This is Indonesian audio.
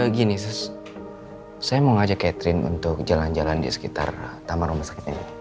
gini saya mau ngajak catherine untuk jalan jalan di sekitar taman rumah sakit ini